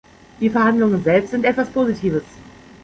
Die Verhandlungen selbst sind etwas Positives.